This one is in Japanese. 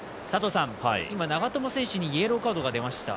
今、長友選手にイエローカードが出ました。